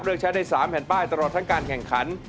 เลือกใช้ได้๓แผ่นป้ายตลอดทั้งการแข่งขัน